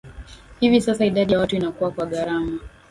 Hivi sasa idadi ya watu inakua kwa gharama